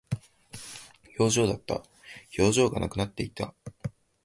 表情だった。表情がなくなっていた。